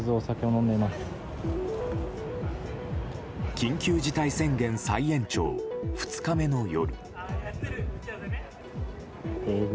緊急事態宣言再延長２日目の夜。